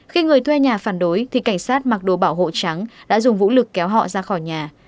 khi người thuê nhà phản đối thì cảnh sát mặc đồ bảo hộ trắng đã dùng vũ lực kéo họ ra khỏi nhà